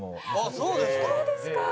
そうですか！